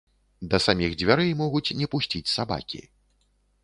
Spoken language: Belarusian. Да саміх дзвярэй могуць не пусціць сабакі.